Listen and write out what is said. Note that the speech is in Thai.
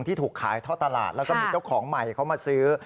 ที่ถูกขายท่อตลาดแล้วก็มีเจ้าของใหม่เขามาซื้อ